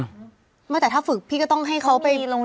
ไม่แต่ถ้าฝึกพี่ก็ต้องให้เขาไปลง